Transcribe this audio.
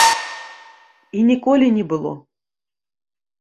І ніколі не было.